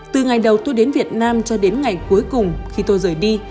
từ ngày đầu tôi đến việt nam cho đến ngày cuối cùng khi tôi rời đi